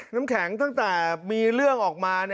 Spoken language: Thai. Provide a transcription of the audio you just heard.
น้ำแข็งตั้งแต่มีเรื่องออกมา